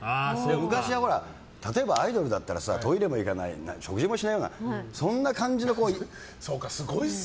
昔は例えばアイドルだったらさトイレも行かない掃除もしないようなそんな感じだったから。